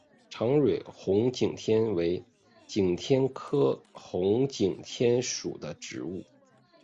长蕊红景天为景天科红景天属的植物。